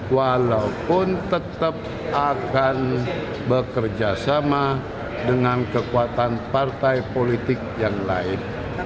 walaupun tetap akan bekerja sama dengan kekuatan partai politik yang lain